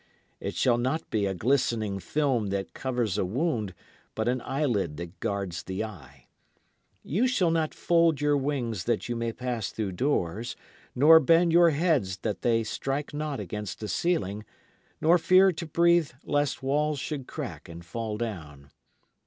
It shall not be a glistening film that covers a wound, but an eyelid that guards the eye. You shall not fold your wings that you may pass through doors, nor bend your heads that they strike not against a ceiling, nor fear to breathe lest walls should crack and fall down.